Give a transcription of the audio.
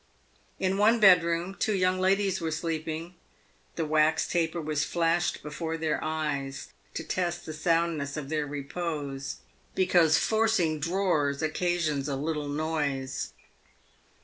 In one bedroom, two young ladies were sleeping. The wax taper was flashed before their eyes to test the soundness of their repose, because forcing drawers occasions a little noise.